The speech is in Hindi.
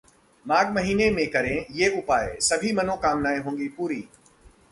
माघ महीने में करें ये उपाय, सभी मनोकामनाएं होंगी पूरी